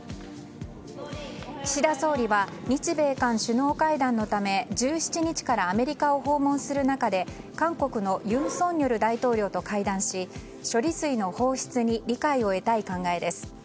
岸田総理は日米韓首脳会談のため１７日からアメリカを訪問する中で韓国の尹錫悦大統領と会談し処理水の放出に理解を得たい考えです。